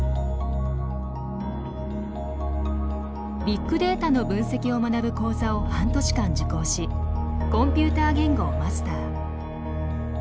ビッグデータの分析を学ぶ講座を半年間受講しコンピューター言語をマスター。